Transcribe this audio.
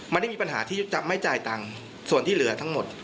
ไม่ได้มีปัญหาที่จะไม่จ่ายตังค์ส่วนที่เหลือทั้งหมด